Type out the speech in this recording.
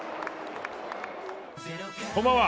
こんばんは。